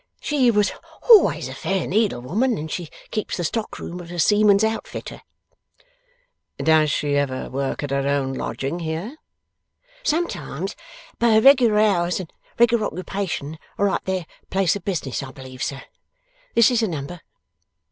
'She was always a fair needlewoman, and she keeps the stockroom of a seaman's outfitter.' 'Does she ever work at her own lodging here?' 'Sometimes; but her regular hours and regular occupation are at their place of business, I believe, sir. This is the number.